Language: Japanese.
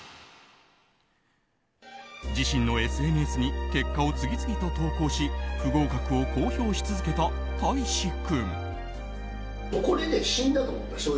自身のＳＮＳに結果を次々と投稿し不合格を公表し続けた大維志君。